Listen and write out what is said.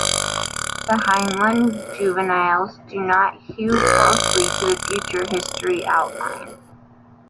The Heinlein juveniles do not hew closely to the "Future History" outline.